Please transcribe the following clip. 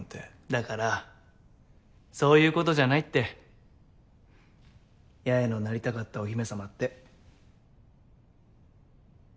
だからそういうことじゃないって八重のなりたかったお姫様って。